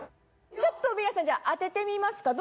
ちょっと皆さんじゃあ当ててみますか？